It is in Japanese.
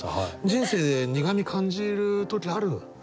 人生で苦み感じる時ある？